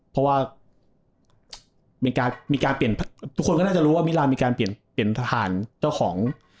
เพราะว่าทุกคนก็น่าจะรู้ว่ามิรานด์มีการเปลี่ยนทหารเจ้าของ